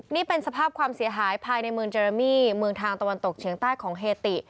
นี่เป็นสภาพความเสียหายภายในเมืองเจรามี่เมืองทางตะวันตกเฉียงใต้ของเฮติ